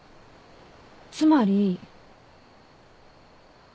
つまり。